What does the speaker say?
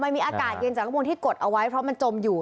มันมีอากาศเย็นจากข้างบนที่กดเอาไว้เพราะมันจมอยู่